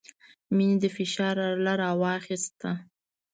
مينې د فشار اله راواخيسته.